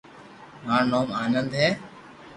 مارو نوم آنند ھي